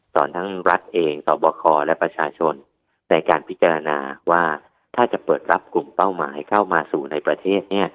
ทั้งรัฐเองสอบคอและประชาชนในการพิจารณาว่าถ้าจะเปิดรับกลุ่มเป้าหมายเข้ามาสู่ในประเทศ